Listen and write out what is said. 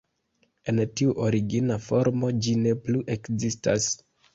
En tiu origina formo ĝi ne plu ekzistas.